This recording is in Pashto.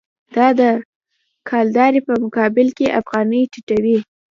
دا د کلدارې په مقابل کې افغانۍ ټیټوي.